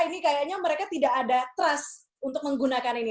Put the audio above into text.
ini kayaknya mereka tidak ada trust untuk menggunakan ini